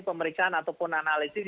pemeriksaan ataupun analisis